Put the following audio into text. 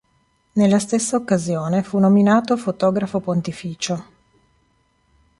Nella stessa occasione fu nominato "fotografo pontificio".